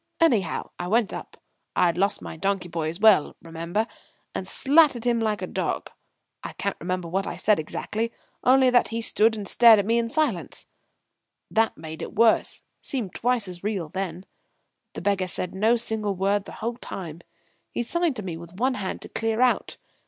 Anyhow, I went up I'd lost my donkey boy as well, remember and slated him like a dog. I can't remember what I said exactly only that he stood and stared at me in silence. That made it worse seemed twice as real then. The beggar said no single word the whole time. He signed to me with one hand to clear out.